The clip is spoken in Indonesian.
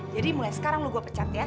jadi mulai sekarang lo gue pecat ya